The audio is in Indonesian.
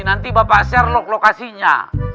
nanti bapak share lokasinya